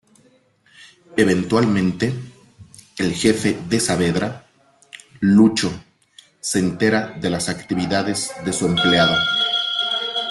Eventualmente, el jefe de Saavedra, Lucho, se entera de las actividades de su empleado.